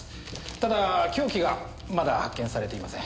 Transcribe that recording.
ただ凶器がまだ発見されていません。